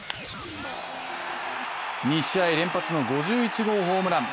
２試合連発の５１号ホームラン。